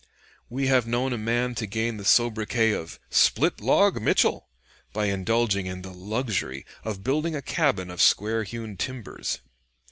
We have known a man to gain the sobriquet of "Split log Mitchell" by indulging in the luxury of building a cabin of square hewn timbers.